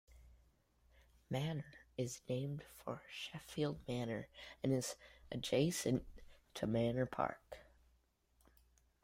Manor is named for Sheffield Manor and is adjacent to Manor Park.